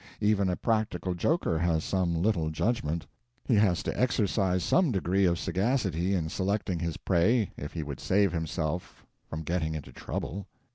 Even a practical joker has some little judgment. He has to exercise some degree of sagacity in selecting his prey if he would save himself from getting into trouble.